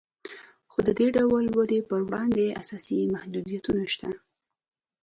خو د دې ډول ودې پر وړاندې اساسي محدودیتونه شته